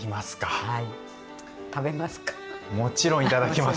はい。